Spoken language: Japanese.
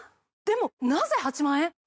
でもなぜ８万円？